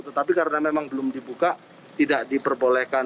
tetapi karena memang belum dibuka tidak diperbolehkan